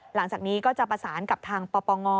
หลังจากนี้ก็จะประสานกับทางปปง